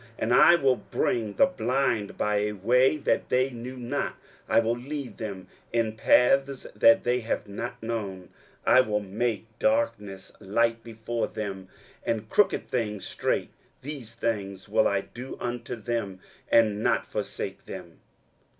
23:042:016 And I will bring the blind by a way that they knew not; I will lead them in paths that they have not known: I will make darkness light before them, and crooked things straight. These things will I do unto them, and not forsake them.